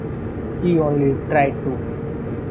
He only tried to.